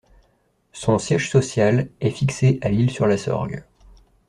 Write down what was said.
Son siège social est fixé à l'Isle-sur-la-Sorgue.